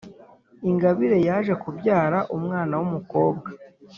ingabire yaje kubyara umwana w’umukobwa;